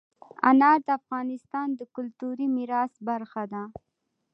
انار د افغانستان د کلتوري میراث برخه ده.